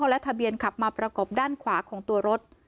และทะเบียนขับมาประกบด้านขวาของตัวรถ